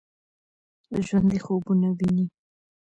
ژوندي خوبونه ويني